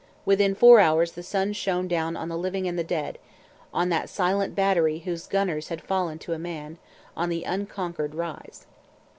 Within four hours the sun shone down on the living and the dead on that silent battery whose gunners had fallen to a man on the unconquered Rise.